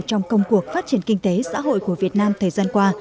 trong công cuộc phát triển kinh tế xã hội của việt nam thời gian qua